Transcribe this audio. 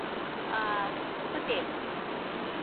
А-а. пытен!